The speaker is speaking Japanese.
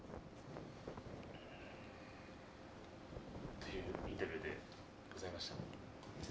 というインタビューでございました。